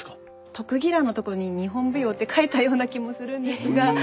特技欄のとこに「日本舞踊」って書いたような気もするんですが。